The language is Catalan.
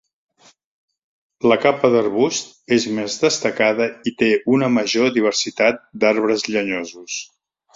La capa d'arbust és més destacada i té una major diversitat d'arbres llenyosos.